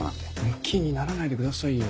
ムキにならないでくださいよ